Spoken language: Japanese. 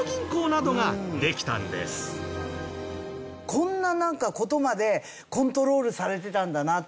こんな事までコントロールされてたんだなって。